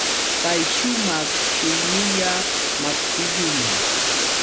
Pay shumaq shimilla maqtillum.